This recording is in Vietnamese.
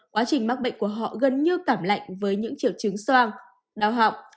quá trình mắc bệnh của họ gần như cảm lạnh với những triệu chứng soang đau họng